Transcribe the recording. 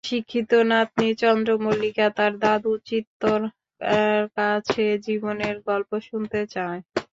শিক্ষিত নাতনি চন্দ্র মল্লিকা তার দাদু চিত্তর কাছে জীবনের গল্প শুনতে চায়।